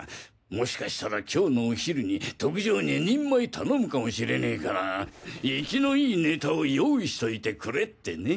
もしかしたら今日のお昼に特上２人前頼むかもしれねぇからいきのいいネタを用意しといてくれってね。